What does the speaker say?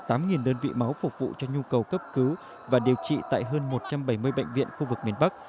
hà nội thiểu tám đơn vị máu phục vụ cho nhu cầu cấp cứu và điều trị tại hơn một trăm bảy mươi bệnh viện khu vực miền bắc